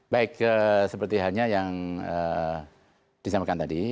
baik seperti halnya yang disampaikan tadi